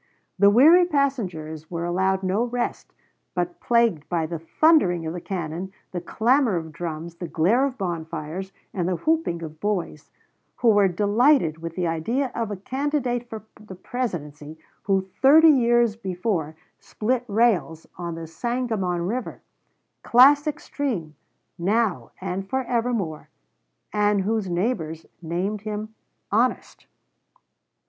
The weary passengers were allowed no rest, but plagued by the thundering of the cannon, the clamor of drums, the glare of bonfires, and the whooping of boys, who were delighted with the idea of a candidate for the Presidency who thirty years before split rails on the Sangamon River classic stream now and for evermore and whose neighbors named him 'honest.'"